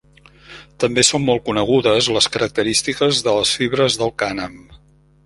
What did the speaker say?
També són molt conegudes les característiques de les fibres del cànem.